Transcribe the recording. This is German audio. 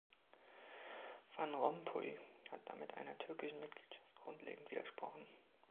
Van Rompuy hat damit einer türkischen Mitgliedschaft grundlegend widersprochen.